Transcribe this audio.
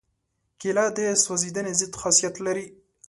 کېله د سوځېدنې ضد خاصیت لري.